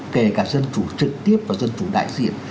kể cả dân chủ trực tiếp và dân chủ đại diện